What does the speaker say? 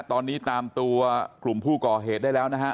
ตอนนี้ตามตัวกลุ่มผู้ก่อเหตุได้แล้วนะฮะ